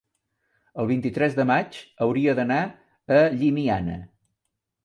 el vint-i-tres de maig hauria d'anar a Llimiana.